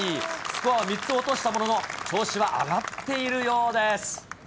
スコアを３つ落としたものの、調子は上がっているようです。